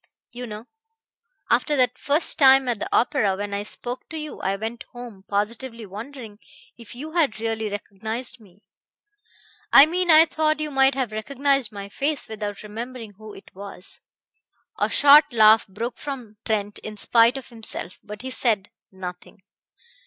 You know. After that first time at the opera when I spoke to you I went home positively wondering if you had really recognized me. I mean, I thought you might have recognized my face without remembering who it was." A short laugh broke from Trent in spite of himself, but he said nothing.